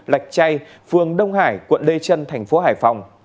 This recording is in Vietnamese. lạch chay phường đông hải quận lê trân thành phố hải phòng